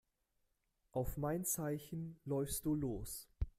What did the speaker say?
Auf mein Zeichen läufst du los.